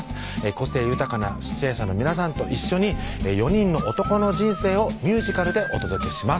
個性豊かな出演者の皆さんと一緒に４人のおとこの人生をミュージカルでお届けします